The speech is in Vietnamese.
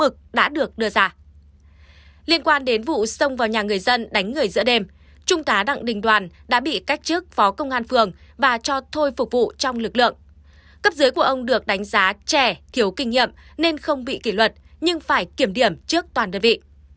cấp dưới của ông được đánh giá trẻ thiếu kinh nghiệm nên không bị kỷ luật nhưng phải kiểm điểm trước toàn đơn vị